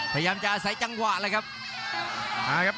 พยายามจะอาศัยจังหวะเลยครับ